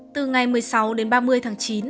từ ngày một mươi sáu đến ba mươi tháng chín